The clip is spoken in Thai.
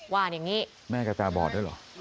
ว่าระอย่างนี้